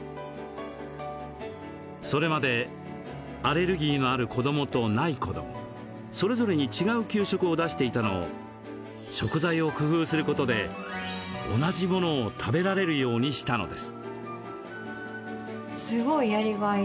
それまでアレルギーのある子どもとない子ども、それぞれに違う給食を出していたのを食材を工夫することで同じものを食べられるようにしたのです。